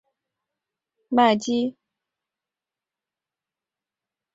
月台上设有数张候车座椅及自动售卖机。